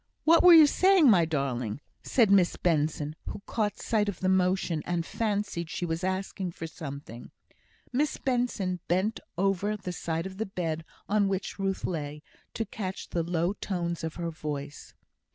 "What were you saying, my darling?" said Miss Benson, who caught sight of the motion, and fancied she was asking for something. Miss Benson bent over the side of the bed on which Ruth lay, to catch the low tones of her voice.